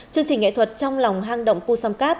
chương trình nghệ thuật trong lòng hang động cusom cap